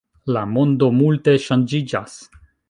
La mondo multe ŝanĝiĝas.